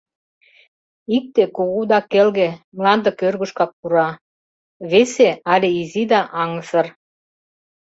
Икте кугу да келге, мланде кӧргышкак пура, весе але изи да аҥысыр.